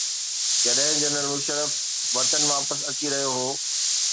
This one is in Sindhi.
جڏهن جنرل مشرف وطن واپس اچي رهيو هو.